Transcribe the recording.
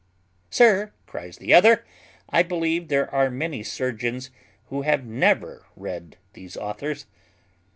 "Sir," cries the other, "I believe there are many surgeons who have never read these authors."